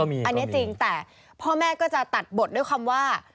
อันนี้จริงแต่พ่อแม่ก็จะตัดบทด้วยคำว่า